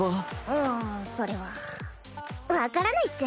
うんそれは分からないっス。